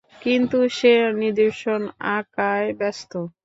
কিন্তু সে নিদর্শন আঁকায় ব্যস্ত।